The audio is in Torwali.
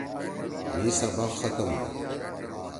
مھی سبق ختم ہُو۔